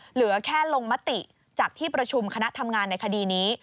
เหลือแค่ลงมติจากที่ประชุมคณะทำงานในคดีนี้